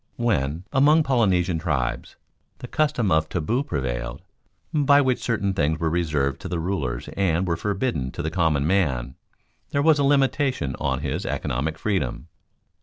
When, among Polynesian tribes, the custom of taboo prevailed, by which certain things were reserved to the rulers and were forbidden to the common man, there was a limitation on his economic freedom.